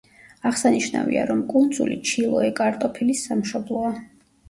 აღსანიშნავია, რომ კუნძული ჩილოე კარტოფილის სამშობლოა.